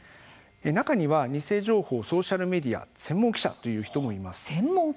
中には偽情報・ソーシャルメディア専門記者という人もいます。